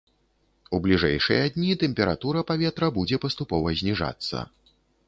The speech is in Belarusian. У бліжэйшыя дні тэмпература паветра будзе паступова зніжацца.